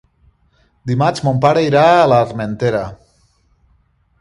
Dimarts mon pare irà a l'Armentera.